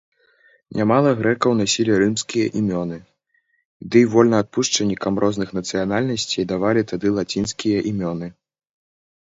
Нямала грэкаў насілі рымскія імёны, дый вольнаадпушчанікам розных нацыянальнасцей давалі тады лацінскія імёны.